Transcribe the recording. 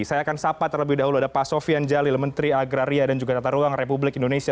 saya akan sapa terlebih dahulu ada pak sofian jalil menteri agraria dan juga tata ruang republik indonesia